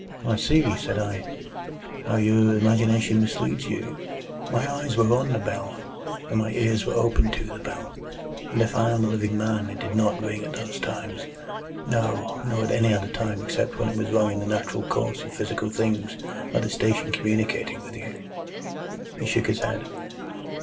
"Why, see," said I, "how your imagination misleads you. My eyes were on the bell, and my ears were open to the bell, and if I am a living man, it did NOT ring at those times. No, nor at any other time, except when it was rung in the natural course of physical things by the station communicating with you." He shook his head.